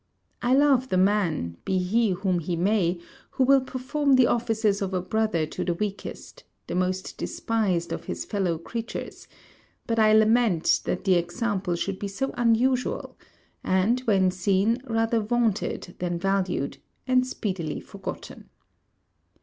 I love the man, be he whom he may, who will perform the offices of a brother to the weakest, the most despised of his fellow creatures; but I lament that the example should be so unusual; and, when seen, rather vaunted than valued; and speedily forgotten.